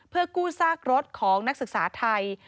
เพื่อกู้ซากรถของนักศึกษาไทย